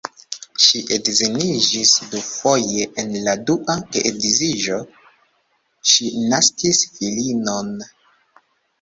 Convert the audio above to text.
Ŝi edziniĝis dufoje, en la dua geedziĝo ŝi naskis filinon.